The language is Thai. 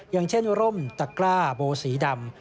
อย่างเช่นร่มตะกร้าโบสีดำ